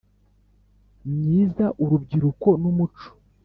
Myiza urubyiruko n umuco